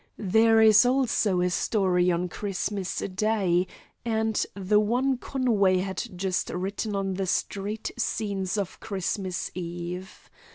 There is also a story on Christmas Day, and the one Conway had just written on the street scenes of Christmas Eve.